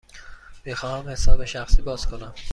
می خواهم حساب شخصی باز کنم.